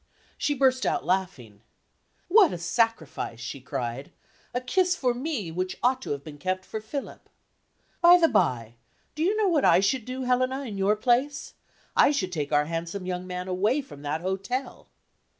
She burst out laughing. "What a sacrifice!" she cried. "A kiss for me, which ought to have been kept for Philip! By the by, do you know what I should do, Helena, in your place? I should take our handsome young man away from that hotel!"